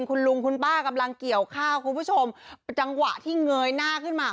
คุณลุงคุณป้ากำลังเกี่ยวข้าวคุณผู้ชมจังหวะที่เงยหน้าขึ้นมา